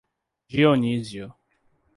Dionísio